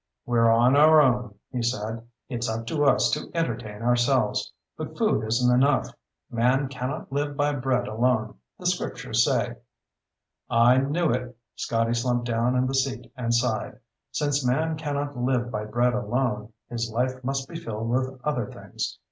"We're on our own," he said. "It's up to us to entertain ourselves. But food isn't enough. Man cannot live by bread alone, the Scriptures say." "I knew it." Scotty slumped down in the seat and sighed. "Since man cannot live by bread alone, his life must be filled with other things.